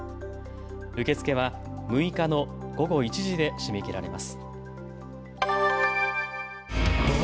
受け付けは６日の午後１時で締め切られます。